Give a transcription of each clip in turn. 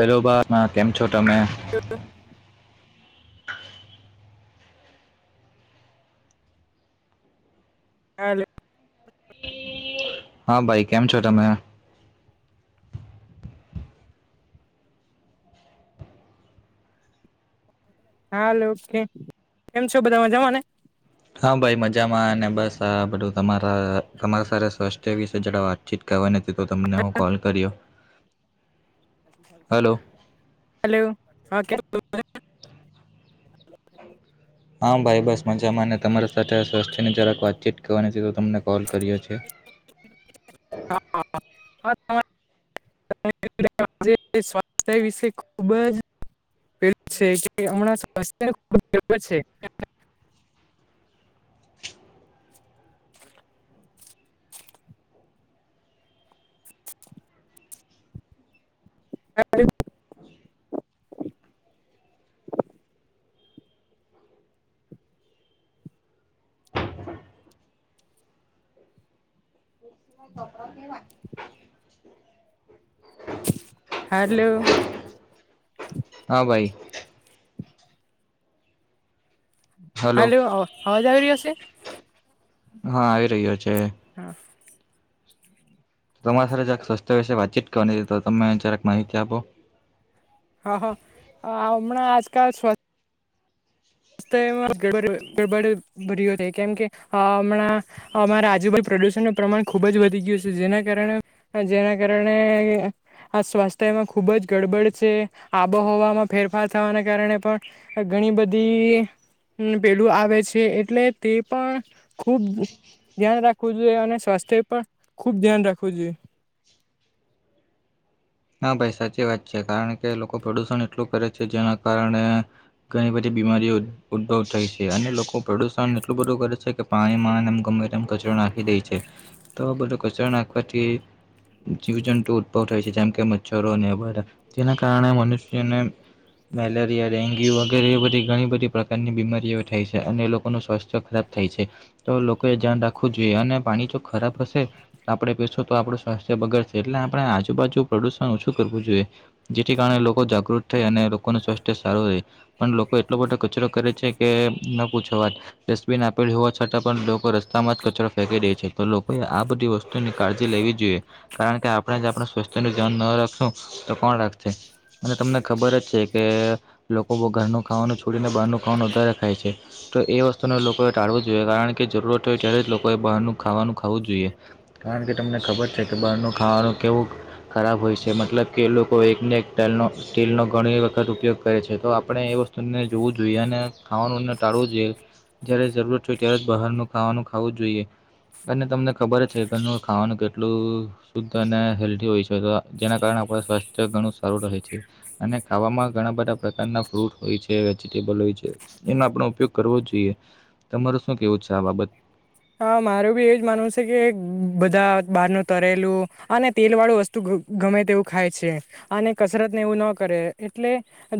Hello, [unintelligible] કેમ છો, તમે? હેલો હા, ભાઈ કેમ છો, તમે? હા, ઓકે કેમ છો, બધા બધા માજામાં ને? હા, ભાઈ મજામાં અને બસ આ બધું તમારા તમારા સ્વાસ્થ્ય વિશે. [unintelligible] છિટકાાવવા નથી તો તમને હું કોલ કર્યો. હલો હલો હા કે હ [unintelligible] હા ભાઈ બસ મજામાંને તમારા સાથે સ્વસ્થ્યની જરાક વાતચીત કરવાની છે તો તમને કોલ કરી્યો છે. [unintelligible] [unintelligible] [unintelligible] [inaudible] [unintelligible] તોપરા વા [unintelligible] હલોલો. હા ભાઈ. હલો અવાજ આવી રહ્યો છે. હા આવી રહ્યો છે. હા. તમારી સાથે જક સ્વસ્થ્ય વિશે વાતચીત કરવાની તો તમે જરાક માહિતી આપો. હમણાં આજકાલ સ્ માં ગડબડ ભર્યો કેમ કે હમણાં અમારા આુભાઈ [unintelligible] પ્રુષણ ન પ્રમાણ ખુબ જ વધી ગયું છે જેના કારણે જેના કારણે આ સ્વાસ્થ્ય એમાં ખુબ જ ગડબડ છે આબોહવામાં ફેરફાર થવાના કારણે પણ ઘણી બધી પેલું આવે છે એટલે તે પણ ખુબ ધ્યાન રાખવું જોઈએ અને સ્વાસ્થ્ય પણ ખુબ ધ્યાન રાખવું જોઈએ. [inaudible] હા ભાઈ સાચી વાત છે કારણ કે લોકો પ્રદુષણ એટલું કરે છે જેના કારણે ઘણી બધી બીમારીઓ ઉદભવ થાય છે અને લોકો પ્રદુષણ એટલું બધું કરે છે કે પાણી માને મ કચરો નાખી દે છે. તો બલોું કચરો નાખવાથી જીવજંતુ ઉદભવ થાય છે. જેમ કે મચ્છરો અને જેના કારણે મનુષ્યને મેલેરિયા ડેન્ગ્યુ વગેરે એ બધી ઘણી બધી પ્રકારની બીમારીઓ થાય છે અને લોકોનું સ્વાસ્થ્ય ખરાબ થાય છે તો લોકો એ ધ્યાન રાખવું જોઈએ અને પાણી જો ખરાબ હશે આપડે બેસો તો આપણું સ્વાથ્ય બગર છે એટલે આપણે આજુ- બાજુ પ્રદુષણ ઓછું કરવું જોઈએ જેથી કારણે લોકો જાગૃત થાય અને લોકોનું સ્વાસ્થ્ય સારું રહે પણ એટલો મોટો કચરો કરે છે કે ન પૂછવા ડબિન આપેલ હોવા છતાં પણ લોકો રસ્તામાં ફે ર છે તો લોકોએ આ બધી વસ્તુની કાળજી લેવી જોઈએ કારણ કે આપણે જ આપણી તેનું ધ્યાન ન રાખો તો કોણ રાખશે. અને તમને ખબર જ છે કે લોકો બ ઘરનું ખાવાનું છોડીને બહારનું ખાવાનું વધારે ખાય છે. તો એ વસ્તુને લોકોએ ટાળવું જ જોઈએ કારણ કે જરૂરત હોય ત્યારે જ લોકોએ બહારનું ખાવાનું ખાવું જ જોઈએ. કારણ કે તમને ખબર છે કે બહારનું ખાવાનું કેવું ખરાબ હોય છે મતલબ કે લોકો એકને એક ટલનો ટીલનો ઘણી વખત ઉપયોગ કરે છે તો આપણે એવો જોવું જોઈએ અને ખાવાનું ટાળવું જોઈએ. જયારે જરૂર હોય ત્યારે જ બહારનું ખાવાનું ખાવું જ જોઈએ. અને તમને ખબર છે કે ખાવાનું કેટલું શુદ્ધ અને હેલ્ધ હોય છે. જેના કારણે આપણા સ્વાસ્થ્ય ઘણું સારું રહે છે. અને ખાવામાં ઘણા બધા પ્રકારના ફ્રૂટ હોય વેજીટેબલ હોય છે એનો આપો ઉપયોગ કરવો જોઈએ. તમારું શું કેવું છે આ બાબત? હા મારું બી એજ માનવું છે કે બધા બહાર ન તરેલું અને તેલ વાળું વસ્તુ ગમે તેવું ખાય છે અને કસરત ને એવું ન કરે એટલે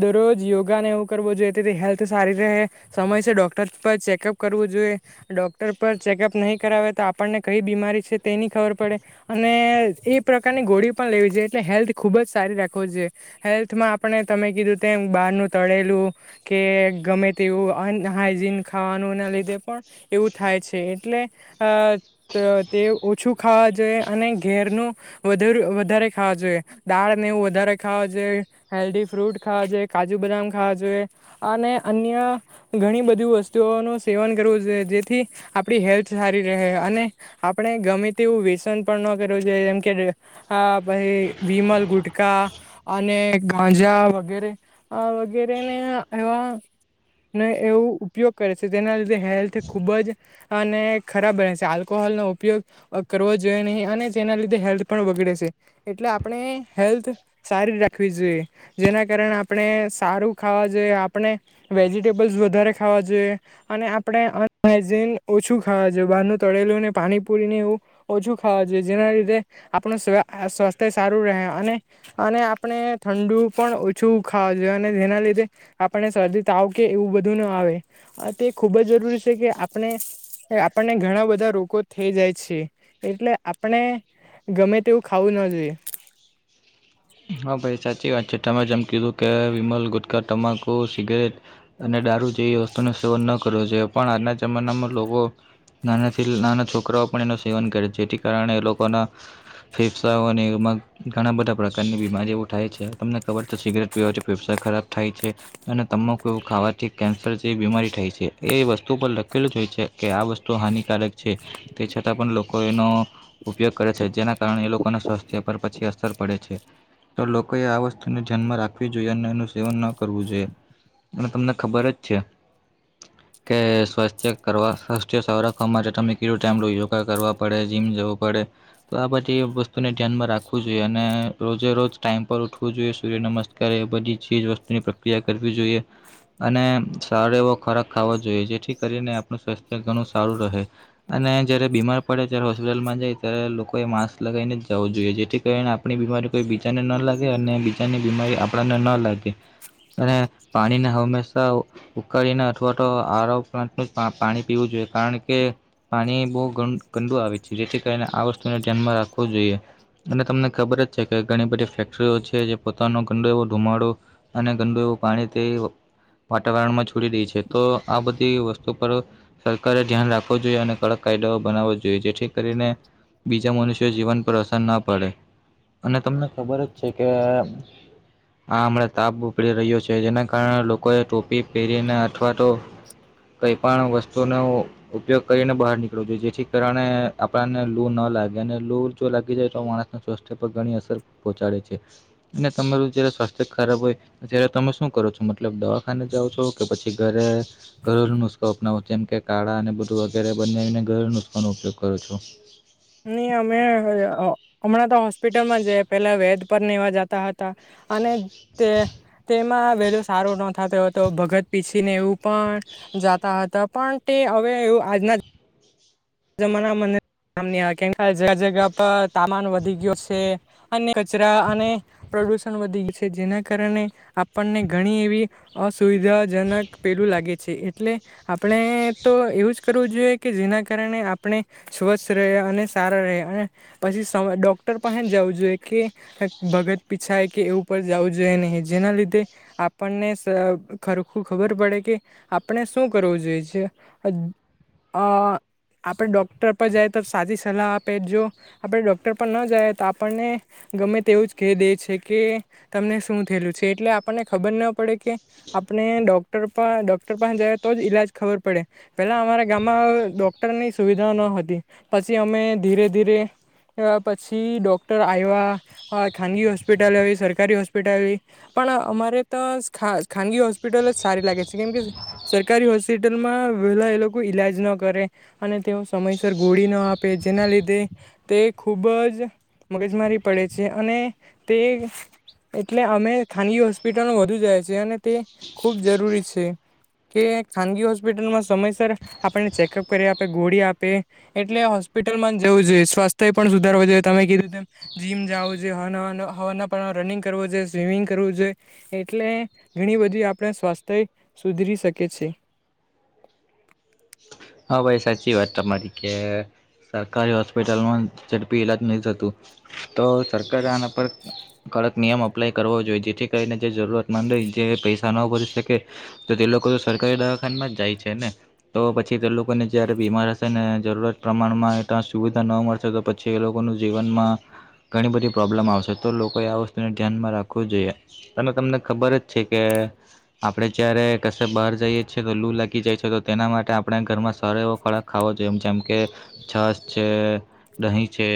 દરરોજ યોગા ને એવું જોએ તે હેલ્થ સારી રહે સમય ડોક્ટર પર ચેકઅપ કરવું જોઈએ ડોક્ટર ચેકઅપ નહીં કરાવે તો આપણને કઈ બીમારી છે તેની ખબર પડે અને એ પ્રકારની ગો પણ લેવી જોઈ એટલે હેલ્થ ખુબ જ સારી રાખો જોઈ હેલ્થમાં આપણે તમે કીધું તેમ બહાર નું તળે કે ગમે તેવું હાઈજીન ખાવાનું ના લીધે પણ એવું થાય છે. એટલે તે ઓછું ખાવા જોઈએ અને ઘેરનું વધુ વધારે ખાવા જોઈએ દાળ ને એવું વધારે ખાવા જોઈએ હેલ્ધી ફ્રૂટ ખાવા છે કાજુ બદામ ખાવા જોઈએ. અન્ય ઘણી બધી વસ્તુઓનું સેવન કરવું જોઈએ જેથી આપડી હેલ્થ સારી રહે અને આપણે ગમે તે એવું વ્યસન પણ ન કરવું જોઈએ જેમ કે ભય વિમલ ગુટકા અને ગાંજા વગેરે વગેરે એવા ને એવું ઉપયોગ કરે છે તેના લીધે હેલ્થ ખુબ જ અને ખરાબ બને છે આલ્કોહોલ નો ઉપયોગ કરવો જોઈએ નહીં અને તેના લીધે હેલ્થ પણ બગડે છે. એટલે આપણે હેલ્થ સારી રાખવી જોઈએ જેના કારણે આપણે સારું આપણે વેજીિટેબલ વધારે ખાવા જોઈએ અને આપણે ઓછું ખાવા જવાનુ બહાર નું તળેલું ને પાણી પુરીને એવું ઓછું ખાવા છે જેના લીધે આપણ સ્વાસ્થ્ય સારું રહે અને અને આપણે ઠંડુ પણ ઓછું ખાવા જોઈએ અને જેના લ આપણે શરદી તાવ કે એવું બધું ના આવે તે ખુબ જ જરૂરી છે કે આપણે એ આપણને ઘણા બધા રોગ થઈ જાય છે એટલે આપણે ગમે તેવું ખાવું ના જોઈએ. હ [inaudible] હા ભાઈ સાચી વાત છે, તમે જેમ કીધું કે વિમલ ગુટખા તમાકુ સિગરેટ અને ડા જે વસ્તુ નું સેવન ન કરવો જોઈએ, પણ આજના જમાનામાં લોકો નાનાથી નાના છોકરાઓ પણ એનું સેવન કરે જેથી કારણે એ લોકોના ફેફસા અને એમાં ઘણા બધા પ્રશ્નો. ની બીમારી જેવું થાય છે, તમને ખબર છે, સિગરેટ પીવા છે, ફેફસાં ખરાબ થાય છે, અને તમાકુ કેવું ખાવાથી. થી કેન્સર જેવી બીમારી થાય છે એ વસ્તુ પર લખેલું જ હોય છે કે આ વસ્તુ હાનિકારક છે. તે છતાં પણ લોકો એનો ઉપયોગ કરે છે જેના કારણે એ લોકોના સ્વાસ્થ્ય પર પછી અસર પડે છે. તો લોકોએ આ વસ્તુને ધ્યાનમાં રાખવી જોઈએ અને એનું સેવન ન કરવું જોઈએ. અને તમને ખબર જ છે. કે સ્વાસ્થ્ય કરવા સ્વાસ્થ્ય સારા કામ માટે તમે કેટડું ટાઈમ લો યોગા કરવા પડે જીમ જવું પડે. તો આ બધી વસ્તુને ધ્યાનમાં રાખવું જોઈએ અને રોજે રોજ ટાઈમ પર ઉઠવું જોઈએ સૂર્ય નમસ્કારારે એ બધી ચીજ વસ્તુની પ્રક્રિયા કરવી જોઈએ. અને સારો એવો ખોરાક ખાાવો જોઈએ જેથી કરીને આપણું સ્વાસ્થ્ય ઘણું સારું રહે. જયારે બીમાર પડે ત્યારે હોસ્પિટલમાં જાય ત્યારે લોકોએ માસ્ક લગાવીને જવું જોઈએ જેથી કારણે આપણી બીમારી કોઈ બીજાને ના લાગે અને બીજાની બીમારી આપણને ના લાગે. અને પાણીને હંમેશા ઉકાળીને અથવા તો આ પાણી પીવું જોઈએ. કારણ કે પાણી બહુ ગંદુ આવે છે જેથી કારણે આ વસ્તુને ધ્યાનમાં રાખવો જોઈએ. અને તમને ખબર જ જે કે ઘણી બધી ફેક્ટરીઓ છે, જે પોતાનો ગંદું એવો ધુમાડો અને ગંદું એવું પાણી તે. વાતાવરણમાં છોડી રહી છે, તો આ બધી વસ્તુ પર સરકારે ધ્યાન રાખવું જોઈએ, અને કડક કાયદાઓ બનાવ જોઈએ, જેથી કરીને બીજા મનુષ્યો જીવન પર અસર ના પડે. અને તમને ખબર જ છે, કે આ હમણાં તાપ ઉપડી રહ્યો છે, જેના કારણે લોકોએ ટોપી પહેરીને અથવા તો કંઈ પણ વસ્તુનો ઉપયોગ કરીને બહાર નીકળવો જોઈએ, જેથી કારણે આપણને લૂ ન લાગે અને લુર જો લાગી જાય તો માણસને સ્વસ્થ. ઘણી અસર પહોંચાડે છે, અને તમારું જયારે સ્વાસ્થ્ય ખરાબ હોય ત્યારે તમે શું કરો છો, મતલબ મતલબ દવાખાને જાવં છો, કે પછી ઘરે ઘરેલું નુસ્ખો અપનાવું જેમ કે કાળા અને બધું વગેરે. બનાવીને ઘરેલ નુસ્ખાનો ઉપયોગ કરો છો. નહી અમે હમણાં તો હોસ્પિટલમાં જ પેલા વેદ પર નેવા જતા હતા. અને તે તેમાં વેલું સારું ન થતો હતો, ભગત પીસીને એવું પણ જાતા હતા પણ તે હવે એવું. આજના જમાના મને જગ જગ્યા પર તામાન વધી ગયો છે. અને કચરા અને પ્રુણ વધી છે જેના કારણે આપણને ઘણી એવી અસુવિધાજનક પેલું લાગે એ આપણે તો એવું જ કરવું જોઈએ કે જેના કારણે આપણે સ્વસ્થ રહે અને સારા રહે અને પછી ડોક્ટર પાસે જવું જોઈએ કે ભગત પીછાય કે એવું ઉપ જવું જોઈએ નહીં જેના લીધે આપણને. ખરખું ખબર પડે કે આપણે શું કરવું જોઈએ છે આ. આપણે ડોક્ટર પર જાય તો સાચી સલાહ આપે જો આપણે ડોક્ટર પર ન જાય તો આપણને ગમે તેવું જ કહી દે છે કે તમને શું થયેલું છે એટલે આપણને ખબર ના પડે કે આપણે ડોક્ટર ડોક્ટર પાસે જાય તો જ ઈલાજ ખબર પડે પેલા અમારા ગામમાં ની સુવિધા ન હતી પછી અમે ધીરે ધીરે પછી ડોક્ટર આવ્યા ખાનગી હોસ્પિટલ આવી સરકારી હોસ્પિટલ આવી પણ અમારે તો ખાનગી હોસ્પિટલ જ સારી લાગે છે કેમ કે સરકારી હોસ્પિટલમાં પેલા એ લોકો ઈલાજ ન કરે અને તેઓ સમયસર ગોળી નો આપે જેના લીધે તે ખૂબ જ મગજમારી પડે છે અને તે એટલે અમે ખાનગી હોસ્પિટલો વધુ જ અને તે ખૂબ જરૂરી છે કે ખાનગી હોસ્પિટલમાં સમયસર આપને ચેક ચેકઅપ કરી આપે ગોળી આપે એટલે હોસ્પિટલમાં જવું જોઈએ સ્વાસ્થ્ય પણ સુધારવું જોઈએ તમે કીધું એમ જીમ જાવું જોઈએ અને અને હવાર ના પોરમાં રનિંગ કરવું જોઈએ સ્વિમિંગ કરવું જોઈએ એટલે ઘણી બધી આપણા સ્વાસ્થ્ય સુધરી શકે છે. હા ભાઈ સાચી વાત અમારી કે સરકારી હોસ્પિટલમાં ઝડપી ઈલાજ નથી થતું તો સરક આના પર કડક નિયમ અપ્લાય કરવો જોઈએ જેથી કરીને જે જરૂરતમંદ હો જે પૈસા ન ભરી શકે તો તે લોકો સરકારી દવાખામાં જાય છે ને તો પછી કે તે લોકોને જ્યારે બીમાર હશે ને જરૂરત પ્રમાણમાં એ તં સુવિધા ન મળશે તો પછી એ લોકોનું જીવન. માં ઘણી બધી પ્રોબ્લેમ આવશે તો લોકોએ આ વસ્તુને ધ્યાનમાં રાખવું જોઈએ તમે તમને ખબર જ છે કે આપણે જ્યારે ક બહાર જઈએ છીએ તો લુ લાગી જાય છે તો તેના માટે આપ. આપણે ઘરમાં સારો એવો ખોરાક ખાવો જોઈએમ જેમ કે છશ છે દહીં છે.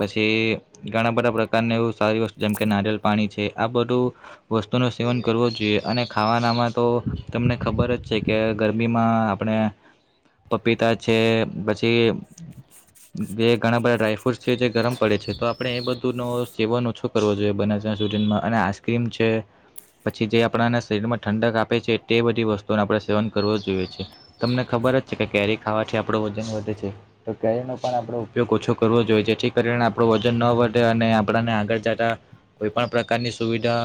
પછી ઘણા બધા પ્રકારની એવું સારી વસ્તુ જેમકે નારિયલ પાણી છે આ બધું વસ્તુનું સેવન કરવો જોઈએ અને ખાવાનામાં તો તમને ખબર જ છે કે ગરમીમાં આપણે પપીતા છે પછી જે ઘણા બધા ડ્રાયફ્રૂટ છે જે ગરમ પડે છે તો આપડણે એ બધું ન સેવન ઓછો કરવો જોઈએ બ. માં અને આઈસક્રીમ છે. પછી જે આપણાને શરીરમાં ઠંડક આપે છે તે બધી વસ્તુઓ આપણે સેવન કરવું જોઈએ છે. તમને ખબર જ છે કે કેરી ખાવાથી આપણો વજન વધે છે તો કેરીનો પણ આપણેો ઉપયોગ ઓછો કરવો જોઈએ છે. જે કરી ને આપણું વજન ન વધે અને આપણને આગળ જતા કોઈ પણ પ્રકારની સુવિધા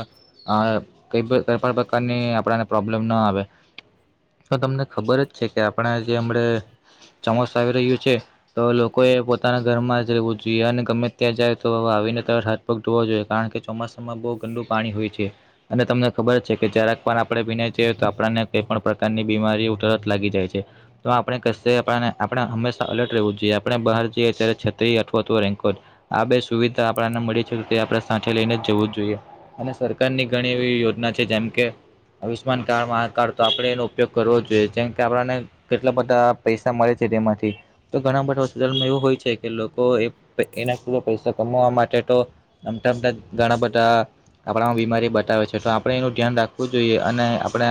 કઈ પણ પ્રકારની આપણા ને પ્રોબ્લેમ ના આવે તો તમને ખબર જ છે કે આપણા જે હમણે ચોમાસુ આવી રહ્યું છે તો લોકોએ પોતાના ઘરમાં જ રહેવું જોઈએ અને ગમે ત્યાં જાય તો આવી ને તમારે હાથ પગ ધોવા જોઈએ કારણ કે ચોમાસામાં બહુ ગંદુ પાણી હોય છે અને તમને ખબર છે કે જરાક પણ આપણે ભીનાઈ છીએ તો આપણને કઈ પણ પ્રકારની બીમારી તરત લાગી જાય છે તો આપણે કશે ય આપણે હંમેશા અલર્ટ રહેવું જોઈએ આપણે બહાર જઈએ ત્યારે છત્રી અથવા તો રૈનકોટ આ બે સુવિધા આપડા ને મળી છે તે આપણે સાથે લઈને જ જવું જોઈએ અને સર સરકારની ઘણી એવી યોજના છે જેમ કે આયુષ્યમાન કાર્ડા મહાકાર્ડ તો આપણે એનો ઉપયોગ કરવો જ જોઈએ જેમ કે આપણાને કેટલા બધા પૈસા મળે છે તેમાંથી તો ઘણા બધા હોસ્પિટલમાં એવું હોય છે કે લોકો એના પૂરા પૈસા કમાવા માટે તો અમથા અમથા ઘણા બધા આપણા માં બીમારી બતાવે છે તો આપણે એનું ધ્યાન રાખવું જોઈએ અને આપણે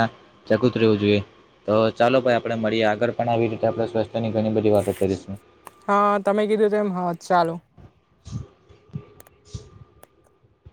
ચકિત રહેવું જોઈએ તો ચાલો ભાઈ આપડે મળીએ આગળ પણ આવી રીતે આપડે ની ઘણી બધી વાતો કરીશું [inaudible] હા તમે કીધું તેમ હા ચાલો